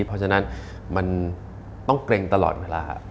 เพราะฉะนั้นมันต้องเกร็งตลอดเวลา